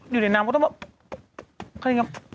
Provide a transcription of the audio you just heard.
อยู่ในน้ำก็ต้องว่า